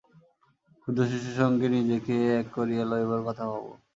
ক্ষুদ্র শিশুর সঙ্গে নিজেকে এক করিয়া লইবার কথা ভাব।